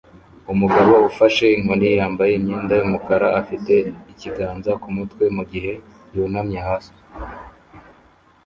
Umugabo ufashe inkoni yambaye imyenda yumukara afite ikiganza kumutwe mugihe yunamye hanze